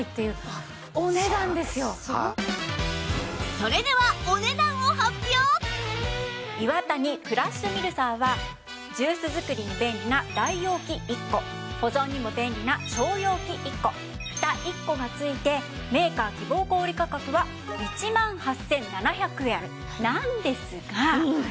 それではイワタニクラッシュミルサーはジュース作りに便利な大容器１個保存にも便利な小容器１個フタ１個が付いてメーカー希望小売価格は１万８７００円なんですが。